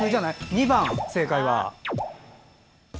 ２番、正解は。